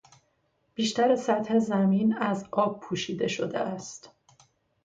بیشتر سطح زمین از آب پوشیده شده است.